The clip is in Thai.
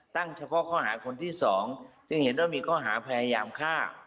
เฉพาะข้อหาคนที่๒จึงเห็นว่ามีข้อหาพยายามฆ่า